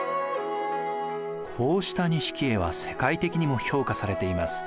こうした錦絵は世界的にも評価されています。